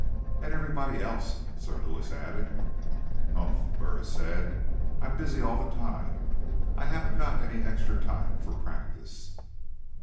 "And everybody else," Sir Lewis added. "Hmpf," Burris said. "I'm busy all the time. I haven't got any extra time for practice."